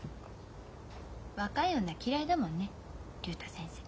若い女嫌いだもんね竜太先生。